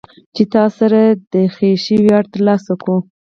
چې تاسې سره د خېښۍ وياړ ترلاسه کو.